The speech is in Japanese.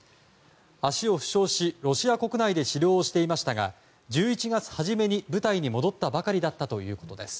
足を負傷しロシア国内で治療をしていましたが１１月初めに部隊に戻ったばかりだったということです。